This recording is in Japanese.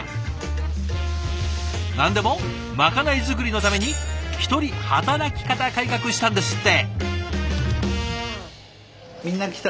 何でもまかない作りのために一人働き方改革したんですって。